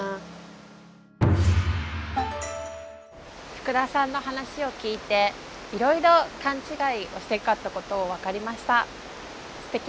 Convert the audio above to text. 福田さんの話を聞いていろいろ勘違いをしてたって事を分かりました。